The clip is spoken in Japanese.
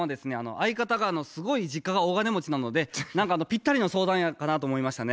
相方がすごい実家が大金持ちなので何かぴったりの相談やったなと思いましたね。